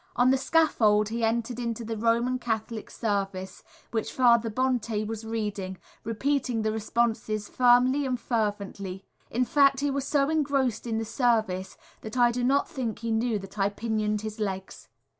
On the scaffold he entered into the Roman Catholic service, which Father Bonté was reading, repeating the responses firmly and fervently, in fact, he was so engrossed in the service that I do not think he knew that I pinioned his legs.